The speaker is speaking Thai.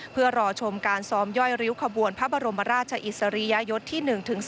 เพื่อรอชมการซ้อมย่อยริ้วขบวนพระบรมราชอิสริยยศที่๑๒